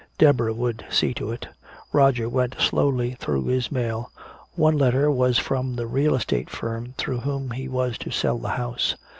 Deborah would see to it.... Roger went slowly through his mail. One letter was from the real estate firm through whom he was to sell the house.